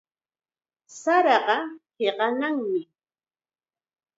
Saraqa hiqanaqmi.